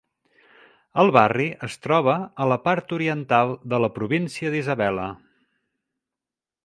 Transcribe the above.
El barri es troba a la part oriental de la Província d'Isabela.